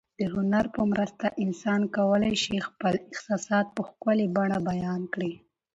د هنر په مرسته انسان کولای شي خپل احساسات په ښکلي بڼه بیان کړي.